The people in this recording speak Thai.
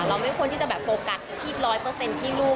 เราไม่ควรที่จะโฟกัสที่ร้อยเปอร์เซ็นต์ที่ลูก